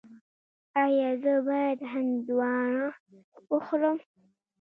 ایا زه باید هندواڼه وخورم؟